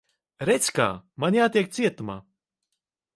Redz, kā. Man jātiek cietumā.